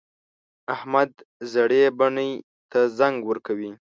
احمد زړې بنۍ ته رنګ ورکوي.